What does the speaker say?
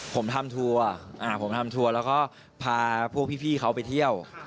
ผมทำทัวร์ผมทำทัวร์แล้วก็พาพวกพี่เขาไปเที่ยว